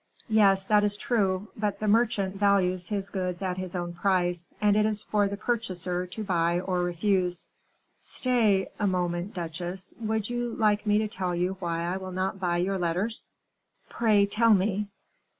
"Yes, that is true; but the merchant values his goods at his own price, and it is for the purchaser to buy or refuse." "Stay a moment, duchesse; would you like me to tell you why I will not buy your letters?" "Pray tell me."